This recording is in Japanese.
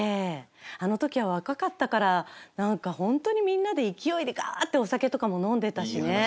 あのときは若かったから、なんか本当にみんなで勢いでがーってお酒とかも飲んでたしね。